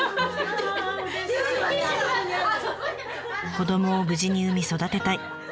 「子どもを無事に産み育てたい。